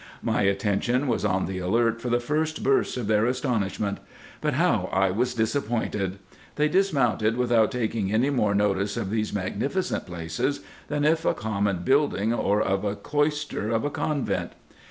My attention was on the alert for the first bursts of their astonishment ; but how I was disappointed ! They dismounted without taking any more notice of these magnificent places, than of a common building, or of the cloister of a convent.